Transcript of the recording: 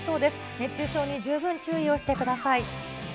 熱中症に十分注意をしてください。